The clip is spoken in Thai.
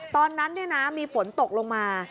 ตอนนั้นเนี่ยนะมีฝนตกลงมา